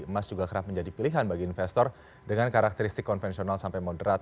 emas juga kerap menjadi pilihan bagi investor dengan karakteristik konvensional sampai moderat